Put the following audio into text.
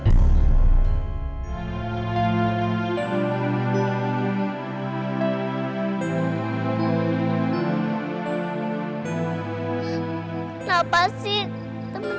presiden inmannya senjatanya